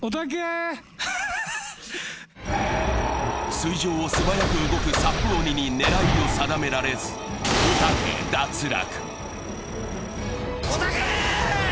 水上を素早く動くサップ鬼に狙いを定められずおたけ、脱落。